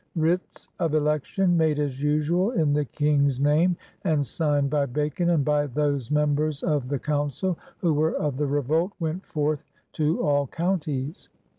Writs of election, made as usual in the Eang's name, and signed by Bacon and by those members of the Council who were of the revolt, went forth to all counties.